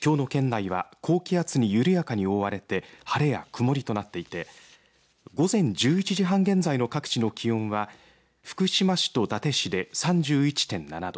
きょうの県内は高気圧に緩やかに覆われて晴れや曇りとなっていて午前１１時半現在の各地の気温は福島市と伊達市で３１．７度